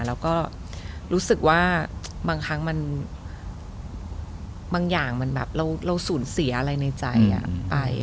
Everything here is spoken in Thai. แล้วก็รู้สึกว่าบางครั้งมันบางอย่างมันแบบเราสูญเสียอะไรในใจไป